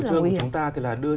chủ trương của chúng ta thì là đưa